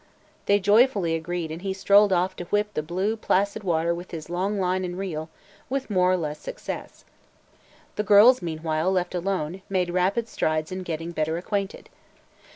They joyfully agreed and he strolled off to whip the blue, placid water with his long line and reel, with more or less success. The girls meanwhile, left alone, made rapid strides in getting better acquainted.